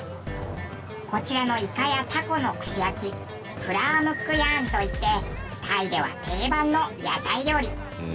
こちらのイカやタコの串焼きプラームックヤーンといってタイでは定番の屋台料理。